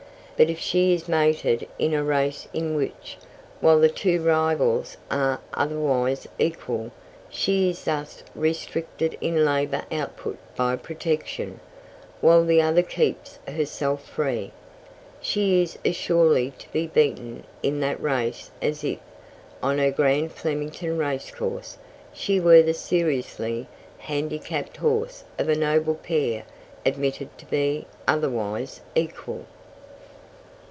But if she is mated in a race in which, while the two rivals are otherwise equal, she is thus restricted in labour output by protection, while the other keeps herself free, she is as surely to be beaten in that race as if, on her grand Flemington racecourse, she were the seriously handicapped horse of a noble pair admitted to be otherwise equal.